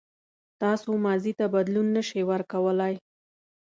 تاسو ماضي ته بدلون نه شئ ورکولای.